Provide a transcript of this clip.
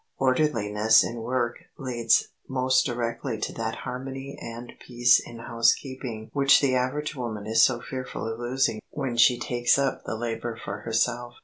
Orderliness in work leads most directly to that harmony and peace in housekeeping which the average woman is so fearful of losing when she takes up the labor for herself.